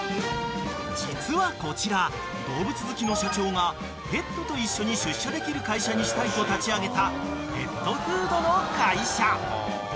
［実はこちら動物好きの社長がペットと一緒に出社できる会社にしたいと立ち上げたペットフードの会社］